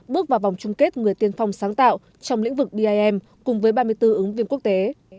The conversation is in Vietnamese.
bước vào vòng chung kết người tiên phong sáng tạo trong lĩnh vực bim cùng với ba mươi bốn ứng viên quốc tế